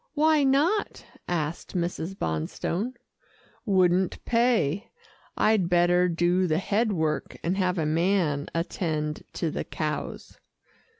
"Why not?" asked Mrs. Bonstone. "Wouldn't pay I'd better do the head work, and have a man attend to the cows."